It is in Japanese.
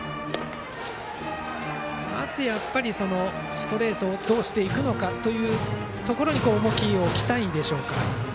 まずやっぱりストレートを通していくのかというところに重きを置きたいでしょうから。